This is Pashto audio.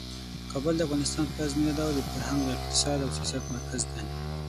کابل د افغانستان پلازمینه ده او د فرهنګ، اقتصاد او سیاست مرکز دی.